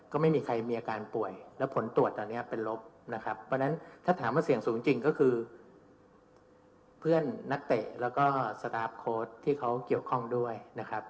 ก็ไม่มีใครมีอาการป่วยแล้วผลตรวจตอนนี้เป็นลบนะครับเพราะฉะนั้นถ้าถามว่าเสี่ยงสูงจริงก็คือเพื่อนนักเตะแล้วก็สตาร์ฟโค้ดที่เขาเกี่ยวข้องด้วยนะครับ